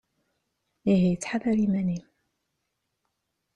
Ihi ttḥadar iman-im.